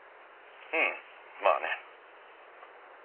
うんまあね。